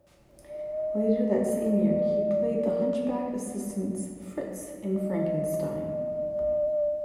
Later that same year, he played the hunchbacked assistant Fritz in "Frankenstein".